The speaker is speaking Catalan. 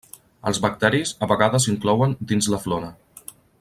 Els bacteris a vegades s'inclouen dins la flora.